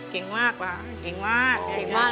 เก่งมากกว่าเก่งมาก